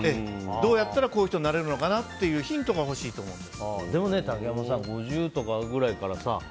どうやったらこういう人になれるのかなという竹山さん５０とかぐらいからさ